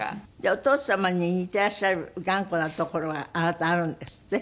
お父様に似ていらっしゃる頑固なところがあなたあるんですって？